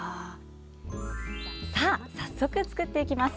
さあ早速、作っていきます。